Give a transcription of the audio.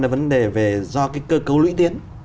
vấn đề về do cái cơ cấu lũy tiến